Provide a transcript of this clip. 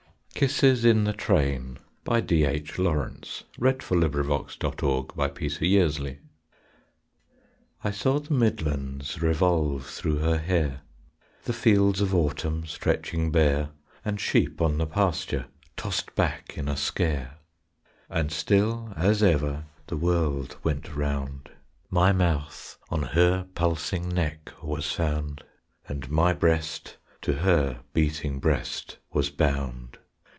ely, On his limbs that I shall weep to know Lie under my mastery. KISSES IN THE TRAIN I saw the midlands Revolve through her hair; The fields of autumn Stretching bare, And sheep on the pasture Tossed back in a scare. And still as ever The world went round, My mouth on her pulsing Neck was found, And my breast to her beating Breast was bound.